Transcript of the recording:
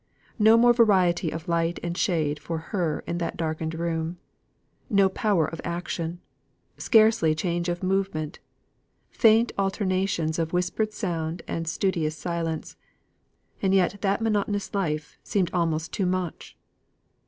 No more variety of light and shade for her in that darkened room; no power of action, scarcely change of movement; faint alternations of whispered sound and studious silence; and yet that monotonous life seemed almost too much!